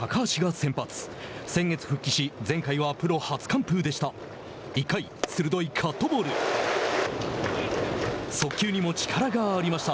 先月復帰し前回はプロ初完封でした。